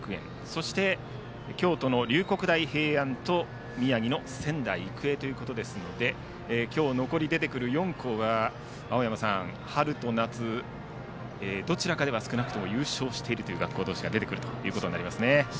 そして、京都の龍谷大平安と宮城の仙台育英ということですので今日残り出てくる４校は青山さん、春と夏どちらかでは少なくとも優勝しているという学校同士が出てきましたね。